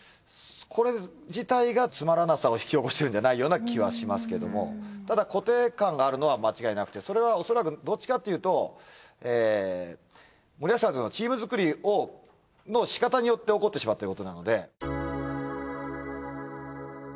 これ自体がつまらなさを引き起こしてるんじゃないような気はしますけどもただ固定感があるのは間違いなくてそれはおそらくどっちかっていうと森保さんのチーム作りのしかたによって起こってしまってることなので。